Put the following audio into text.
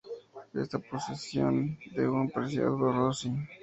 Está en posesión de un preciado Rossi.